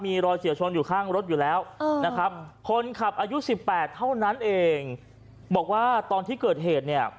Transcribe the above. มีรอยเฉียวชนอยู่ข้างรถอยู่แล้วนะครับคนขับอายุสิบแปดเท่านั้นเองบอกว่าตอนที่เกิดเหตุเนี่ย